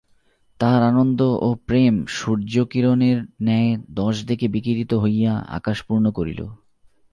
তাঁহার আনন্দ ও প্রেম সূর্য্যকিরণের ন্যায় দশ দিকে বিকিরিত হইয়া আকাশ পূর্ণ করিল।